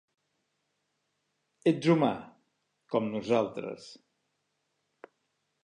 Ets humà, com nosaltres.